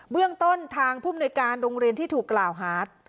เบื้องต้นทางภูมิหน่วยการโรงเรียนที่ถูกกล่าวฮาร์ด